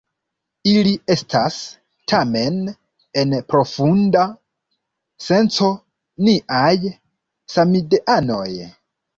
Ili estas, tamen, en profunda senco niaj samideanoj.